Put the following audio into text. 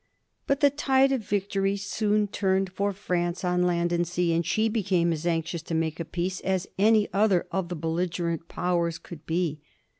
But the tide of victory soon turned for France on land and sea, and she became as anxious to make a peace as any other of the belligerent powers could be.